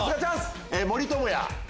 森友哉。